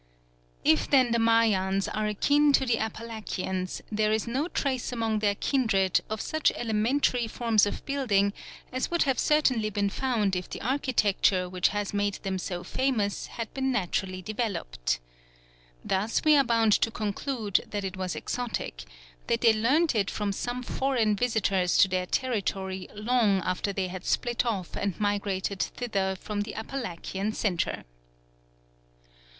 If then the Mayans are akin to the Apalachians, there is no trace among their kindred of such elementary forms of building as would have certainly been found if the architecture which has made them so famous had been naturally developed. Thus we are bound to conclude that it was exotic; that they learnt it from some foreign visitors to their territory long after they had split off and migrated thither from the Apalachian centre.